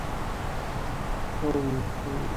খাও, খাও, খাও।